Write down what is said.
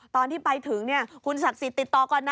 ตอนที่ไปถึงคุณศักดิ์สิทธิ์ติดต่อก่อนนะ